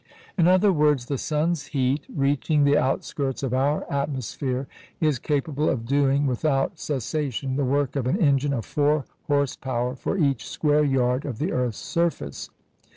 In other words, the sun's heat reaching the outskirts of our atmosphere is capable of doing without cessation the work of an engine of four horse power for each square yard of the earth's surface.